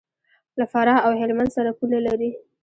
له فراه او هلمند سره پوله لري.